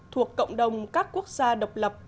thuộc cộng đồng các quốc gia độc lập